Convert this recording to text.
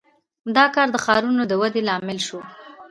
• دا کار د ښارونو د ودې لامل شو.